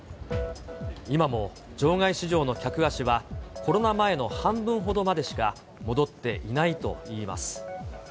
今も場外市場の客足はコロナ前の半分ほどまでしか戻っていないといいます。